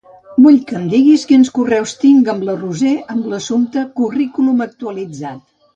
Vull que em diguis quins correus tinc amb la Roser amb l'assumpte "Currículum actualitzat".